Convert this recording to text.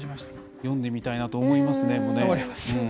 読んでみたいなと思いますね。